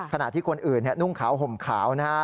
ขณะที่คนอื่นนุ่งขาวห่มขาวนะฮะ